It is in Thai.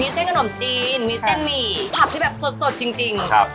มีเส้นขนมจีนมีเส้นหมี่ผักที่แบบสดจริง